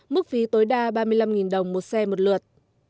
mức phí tối đa ba mươi năm đồng một xe một lượt